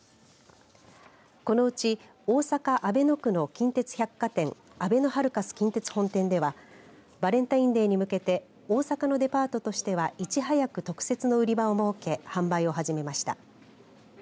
このうち大阪阿倍野区の近鉄百貨店あべのハルカス近鉄本店ではバレンタインデーに向けて大阪のデパートとしてはいち早く特設の売り場を設け販売を始めました。